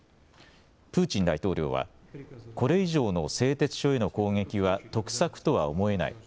プーチン大統領はこれ以上の製鉄所への攻撃は得策とは思えない。